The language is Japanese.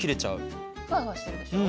フワフワしてるでしょう？